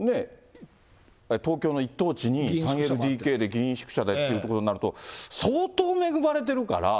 東京の一等地に３ＬＤＫで議員宿舎がっていうところになると、相当恵まれてるから。